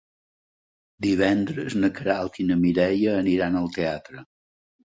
Divendres na Queralt i na Mireia aniran al teatre.